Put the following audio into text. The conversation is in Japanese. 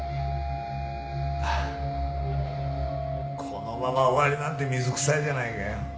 このまま終わりなんて水くさいじゃないかよ。